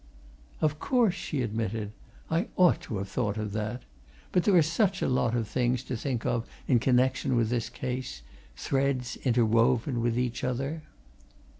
"Of course!" she admitted. "I ought to have thought of that. But there are such a lot of things to think of in connection with this case threads interwoven with each other."